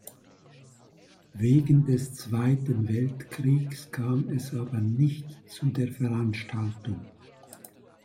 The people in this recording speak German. Wegen des Zweiten Weltkriegs kam es aber nicht zu der Veranstaltung.